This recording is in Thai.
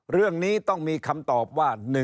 เรื่องนี้ต้องมีคำตอบว่า